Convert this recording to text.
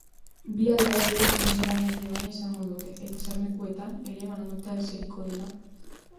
Bi alderdiek bozeramaile bana izango dute, eta eserlekuetan ere bananduta eseriko dira.